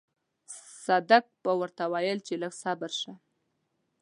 صدک به ورته ويل چې لږ صبر شه.